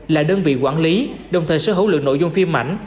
là đơn vị quản lý đồng thời sở hữu lượng nội dung phim ảnh